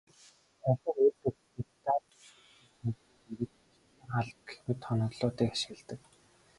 Тавилга үйлдвэрлэлдээ Италид үйлдвэрлэсэн тавилгын гэрэл, шилэн хаалга гэх мэт тоноглолуудыг ашигладаг.